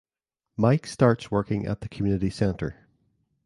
Mike starts working at the community centre.